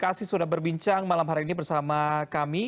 terima kasih sudah berbincang malam hari ini bersama kami